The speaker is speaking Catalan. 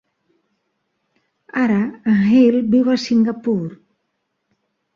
Ara, en Heal viu a Singapore.